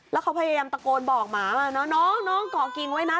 แล้วเขาพยายามตะโกนบอกหมาน้องก่อกิงไว้นะ